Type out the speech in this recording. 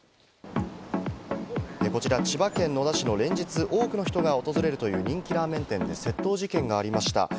こちら千葉県野田市の連日、多く人が訪れるという人気ラーメン店で窃盗がありました。